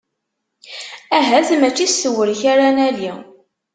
Ahat mačči s tewrek ara nali.